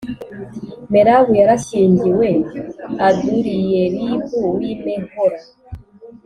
Merabu yarashyingiwe aduriyelib w i mehola